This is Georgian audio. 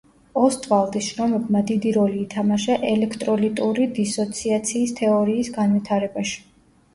ოსტვალდის შრომებმა დიდი როლი ითამაშა ელექტროლიტური დისოციაციის თეორიის განვითარებაში.